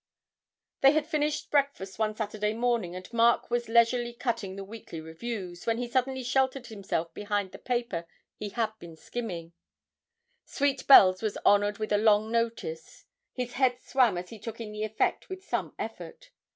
They had finished breakfast one Saturday morning, and Mark was leisurely cutting the weekly reviews, when he suddenly sheltered himself behind the paper he had been skimming 'Sweet Bells' was honoured with a long notice. His head swam as he took in the effect with some effort.